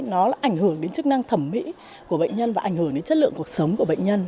nó ảnh hưởng đến chức năng thẩm mỹ của bệnh nhân và ảnh hưởng đến chất lượng cuộc sống của bệnh nhân